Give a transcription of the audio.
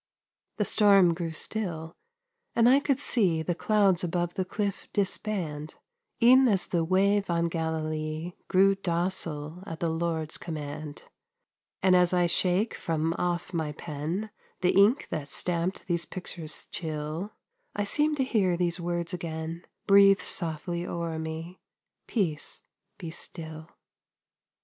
The storm grew still, and I could see The clouds above the cliff disband, E'en as the wave on Galilee Grew docile at the Lord's command; And as I shake from off my pen The ink that stamped these pictures chill, I seem to hear those words again Breathed softly o'er me, "Peace, be still."